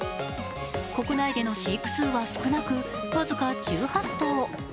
国内での飼育数は少なく、僅か１８頭。